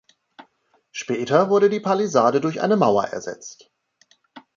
Später wurde die Palisade durch eine Mauer ersetzt.